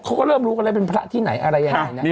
เขาก็เริ่มรู้กันแล้วเป็นพระที่ไหนอะไรยังไงนะ